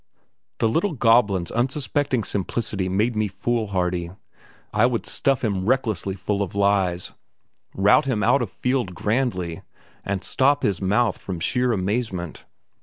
The little goblin's unsuspecting simplicity made me foolhardy; I would stuff him recklessly full of lies; rout him out o' field grandly, and stop his mouth from sheer amazement.